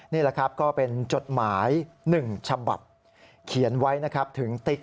นี่แหละครับก็เป็นจดหมาย๑ฉบับเขียนไว้นะครับถึงติ๊ก